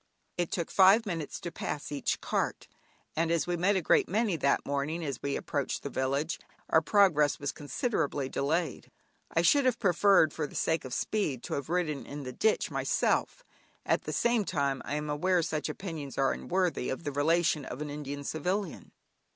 It took five minutes to pass each cart, and as we met a great many that morning as we approached the village, our progress was considerably delayed. I should have preferred for the sake of speed to have ridden in the ditch myself; at the same time I am aware such opinions are unworthy of the relation of an Indian Civilian.